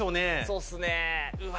そうっすねうわ。